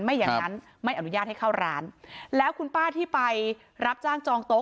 อย่างนั้นไม่อนุญาตให้เข้าร้านแล้วคุณป้าที่ไปรับจ้างจองโต๊